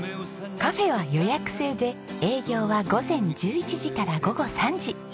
カフェは予約制で営業は午前１１時から午後３時。